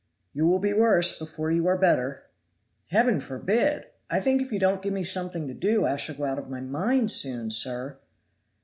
"You will be worse before you are better." "Heaven forbid! I think if you don't give me something to do I shall go out of my mind soon, sir."